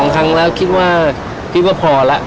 ครั้งแล้วคิดว่าคิดว่าพอแล้ว